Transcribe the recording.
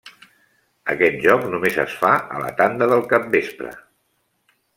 Aquest joc només es fa a la tanda del capvespre.